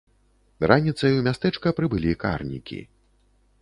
Раніцай у мястэчка прыбылі карнікі.